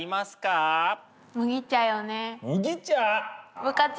麦茶よね。